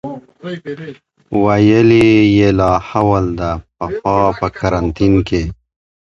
ویلې یې لاحول ده پخوا په کرنتین کي